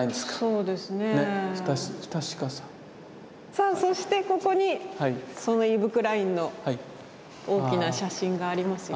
さあそしてここにそのイヴ・クラインの大きな写真がありますよ。